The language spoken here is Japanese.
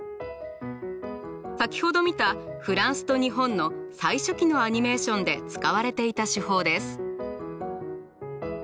先ほど見たフランスと日本の最初期のアニメーションで使われていた手法です。